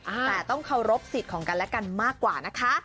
แต่ต้องเคารพสิทธิ์ของกันและกันมากกว่านะคะ